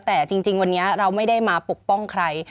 แต่จริงวันนี้เราไม่ได้มาปกป้องใคร